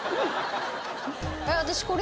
私。